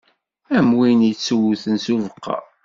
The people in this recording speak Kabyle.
Am win ittewten s ubeqqa.